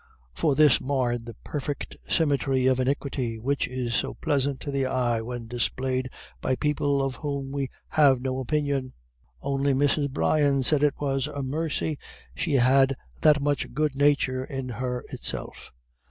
For this marred that perfect symmetry of iniquity which is so pleasant to the eye when displayed by people of whom we "have no opinion." Only Mrs. Brian said it was a mercy she had that much good nature in her itself.